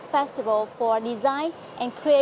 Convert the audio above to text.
về tài năng